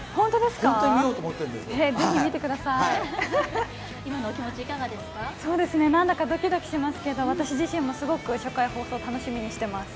すごくどきどきしますけど私自身もすごく初回放送、楽しみにしています。